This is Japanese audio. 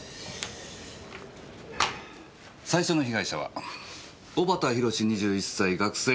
最初の被害者は小畑寛２１歳学生。